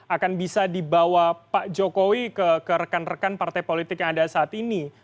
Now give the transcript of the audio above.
akan bisa dibawa pak jokowi ke rekan rekan partai politik yang ada saat ini